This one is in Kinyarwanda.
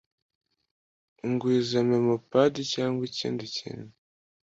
Unguriza memo padi cyangwa ikindi kintu.